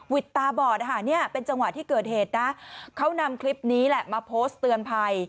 วิดตาบอดเป็นจังหวะที่เกิดเหตุนะเขานำคลิปนี้มาโพสต์เตือนภัย